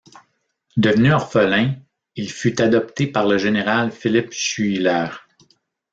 Devenu orphelin, il fut adopté par le général Philip Schuyler.